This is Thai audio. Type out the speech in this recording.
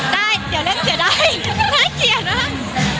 ได้เดี๋ยวเลือกเสียได้น่าเกลียดมาก